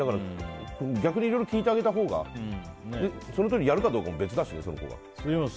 逆にいろいろ聞いてあげたほうがそのとおりやるのかは別だしね。